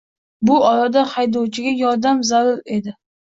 Bu orada haydovchiga yordamchi zarur edi